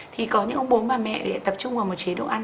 thì có những ông bố bà mẹ tập trung vào một chế độ ăn